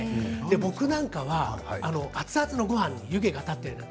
僕なんかは熱々のごはんに湯気が立っているね